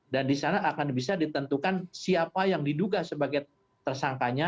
di sana akan bisa ditentukan siapa yang diduga sebagai tersangkanya